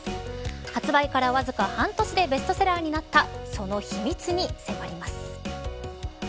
発売から、わずか半年でベストセラーになったその秘密に迫ります。